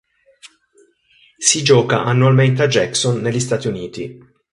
Si gioca annualmente a Jackson negli Stati Uniti.